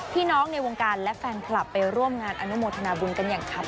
ในวงการและแฟนคลับไปร่วมงานอนุโมทนาบุญกันอย่างคับ